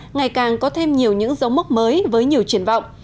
ngày càng có thêm nhiều những dấu mốc mới với nhiều triển vọng